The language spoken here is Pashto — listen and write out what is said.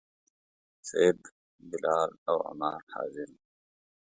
صیب، بلال او عمار حاضر وو.